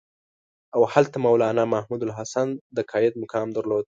او هلته مولنا محمودالحسن د قاید مقام درلود.